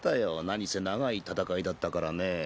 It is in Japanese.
何せ長い戦いだったからね。